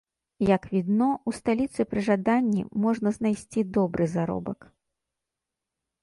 Як відно, у сталіцы пры жаданні можна знайсці добры заробак.